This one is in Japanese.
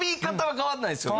変わんないですね。